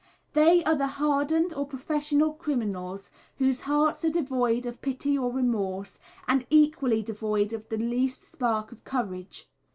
They are the "hardened" or professional criminals whose hearts are devoid of pity or remorse, and equally devoid of the least spark of courage.